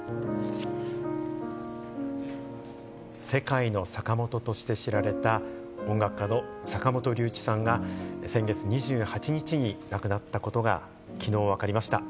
「世界のサカモト」として知られた、音楽家の坂本龍一さんが先月２８日に亡くなったことが昨日、わかりました。